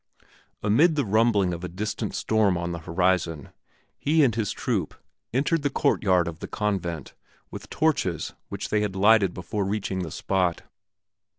Amid the rumbling of a distant storm on the horizon, he and his troop entered the courtyard of the convent with torches which they had lighted before reaching the spot.